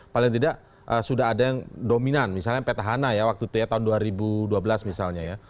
paling tidak sudah ada yang dominan misalnya petahana ya waktu itu ya tahun dua ribu dua belas misalnya ya